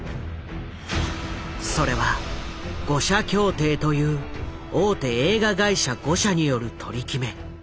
それは「五社協定」という大手映画会社５社による取り決め。